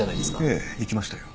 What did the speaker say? ええ行きましたよ。